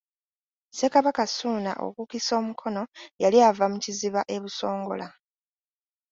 Ssekabaka Ssuuna okukisa omukono yali ava Kiziba e Busongola.